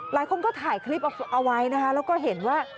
หลายคนก็ถ่ายคลิปเอาไว้นะคะแล้วก็เห็นว่า